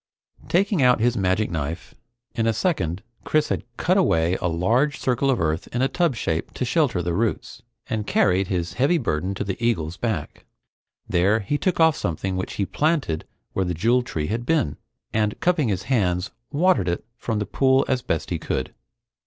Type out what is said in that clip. Taking out his magic knife, in a second Chris had cut away a large circle of earth in a tub shape to shelter the roots, and carried his heavy burden to the eagle's back. There, he took off something which he planted where the Jewel Tree had been, and cupping his hands, watered it from the pool as best he could.